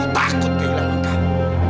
takut kehilangan kamu